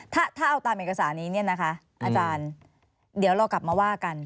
ถ้าเอาตามเอกสารนี้เนี่ยนะคะอาจารย์เดี๋ยวเรากลับมาว่ากัน